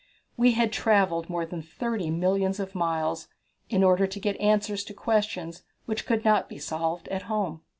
We had travelled more than thirty millions of miles in order to get answers to questions which could not be solved at home.